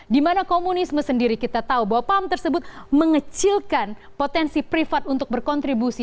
dimana komunisme sendiri kita tahu bahwa paham tersebut mengecilkan potensi privat untuk berkontribusi